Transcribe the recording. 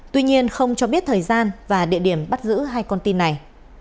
tuy nhiên không cho biết thời gian và địa điểm bắt giữ hai con tin này